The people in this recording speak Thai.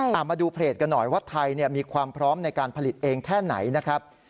เอามาดูเพจกันหน่อยว่าไทยมีความพร้อมในการผลิตเองแค่ไหนนะครับ